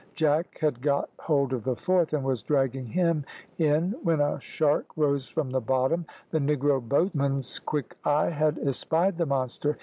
Jack had got hold of the fourth, and was dragging him in when a shark rose from the bottom. The negro boatman's quick eye had espied the monster.